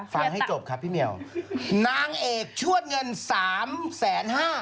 ฟังให้จบครับพี่เมียวนางเอกชวดเงิน๓๕๐๐๐๐๐